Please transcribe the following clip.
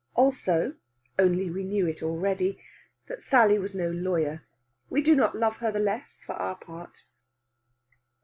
Also (only we knew it already) that Sally was no lawyer. We do not love her the less, for our part.